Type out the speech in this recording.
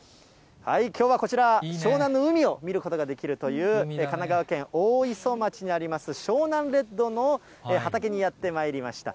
きょうはこちら、湘南の海を見ることができるという神奈川県大磯町にあります、湘南レッドの畑にやってまいりました。